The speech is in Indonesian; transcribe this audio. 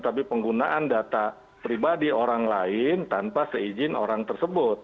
tapi penggunaan data pribadi orang lain tanpa seizin orang tersebut